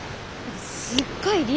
すっごい